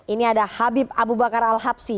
ini ada habib abubakar al habsi